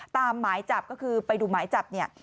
หมายจับก็คือไปดูหมายจับเนี่ย